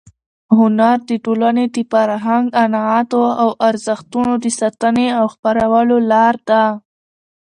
هنر د ټولنې د فرهنګ، عنعناتو او ارزښتونو د ساتنې او خپرولو لار ده.